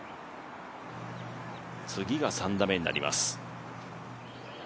次が３打目になります。